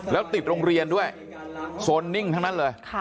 แล้วติดโรงเรียนด้วยโซนนิ่งทั้งนั้นเลย